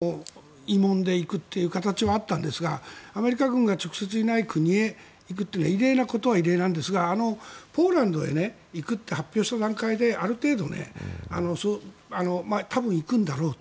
確かにアメリカ軍が駐留していたイラクとかアフガンを慰問で行くっていう形はあったんですがアメリカ軍が直接いない国へ行くというのは異例なことは異例なんですがポーランドへ行くって発表した段階である程度多分、行くんだろうと。